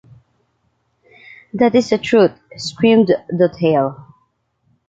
That is the truth, screamed Dutheil.